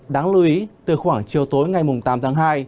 đáng lưu ý từ khoảng chiều tối ngày tám tháng hai